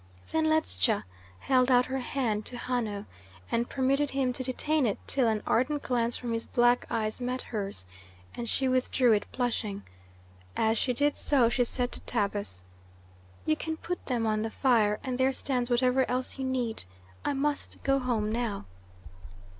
Then Ledscha held out her hand to Hanno, and permitted him to detain it till an ardent glance from his black eyes met hers, and she withdrew it blushing. As she did so she said to Tabus: "You can put them on the fire, and there stands whatever else you need. I must go home now."